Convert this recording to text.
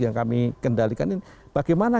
yang kami kendalikan ini bagaimana